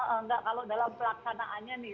enggak kalau dalam pelaksanaannya nih